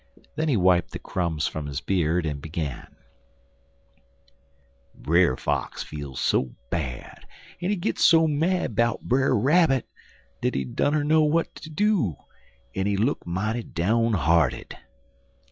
Then he wiped the crumbs from his beard and began: "Brer Fox feel so bad, en he git so mad 'bout Brer Rabbit, dat he dunner w'at ter do, en he look mighty down hearted.